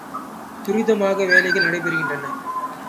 துரிதமாக வேலைகள் நடைபெறுகின்றன.